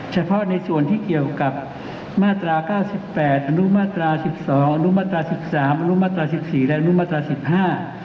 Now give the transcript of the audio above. เฉพาะในส่วนที่เกี่ยวกับมาตรา๙๘อนุมาตรา๑๒อนุมาตรา๑๓อนุมาตรา๑๔และอนุมาตรา๑๕